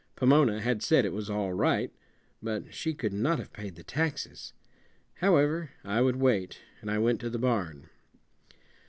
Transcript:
Pomona had said it was all right, but she could not have paid the taxes however, I would wait; and I went to the barn.